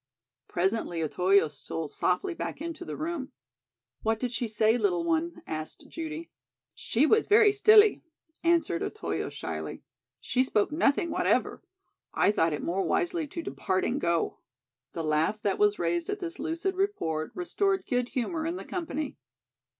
Presently Otoyo stole softly back into the room. "What did she say, little one?" asked Judy. "She was very stilly," answered Otoyo shyly. "She spoke nothing whatever. I thought it more wisely to departing go." The laugh that was raised at this lucid report restored good humor in the company.